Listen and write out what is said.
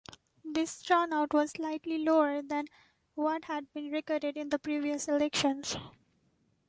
This turnout was slightly lower than what had been recorded in the previous elections.